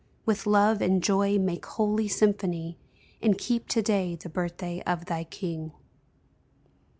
With love and joy make holy symphony. And keep to day the birthday of thy King